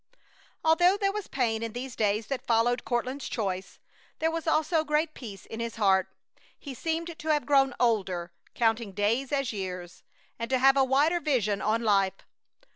Although there was pain in these days that followed Courtland's choice, there was also great peace in his heart. He seemed to have grown older, counting days as years, and to have a wider vision on life.